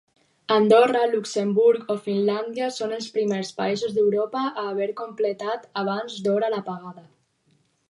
Andorra, Luxemburg o Finlàndia són els primers països d'Europa a haver completat abans d'hora l'apagada.